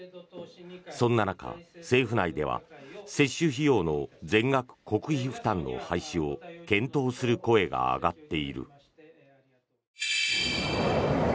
そんな中、政府内では接種費用の全額国費負担の廃止を検討する声が上がっている。